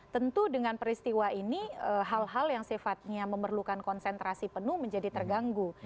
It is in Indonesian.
tentu dengan peristiwa ini hal hal yang sifatnya memerlukan konsentrasi penuh menjadi terganggu